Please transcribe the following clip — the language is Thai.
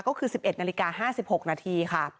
ก็คือ๑๑นาฬิกา๕๖นาทีค่ะ